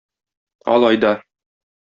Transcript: Алай да.